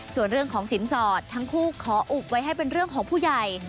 ส่วนเรื่องของสินสอดทั้งคู่ขออุบไว้ให้เป็นเรื่องของผู้ใหญ่